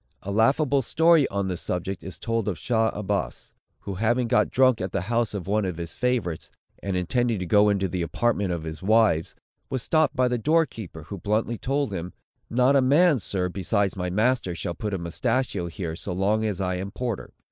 A laughable story, on this subject, is told of Shah Abbas, who having got drunk at the house of one of his favorites, and intending to go into the apartment of his wives, was stopped by the door keeper, who bluntly told him, "Not a man, sir, besides my master, shall put a mustachio here, so long as I am porter."